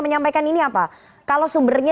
menyampaikan ini apa kalau sumbernya